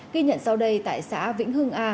ghi nhận sau đây tại xã vĩnh hương a